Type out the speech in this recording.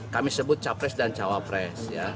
kami sebut capres dan cawapres